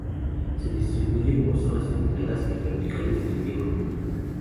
Se distribuye por zonas templadas y tropicales del Viejo Mundo.